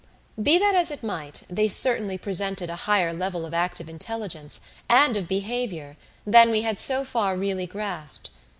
Be that as it might, they certainly presented a higher level of active intelligence, and of behavior, than we had so far really grasped.